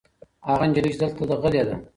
هغه نجلۍ چې دلته ده غلې ده.